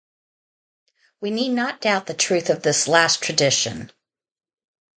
We need not doubt the truth of this last tradition.